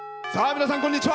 皆さん、こんにちは。